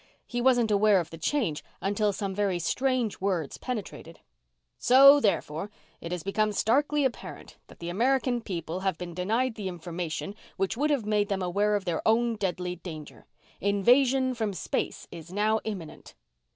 He wasn't aware of the change until some very strange words penetrated: "... so, therefore, it has become starkly apparent that the American people have been denied the information which would have made them aware of their own deadly danger. Invasion from space is now imminent."